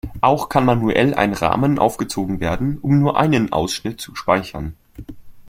Auch kann manuell ein Rahmen aufgezogen werden, um nur einen Ausschnitt zu speichern.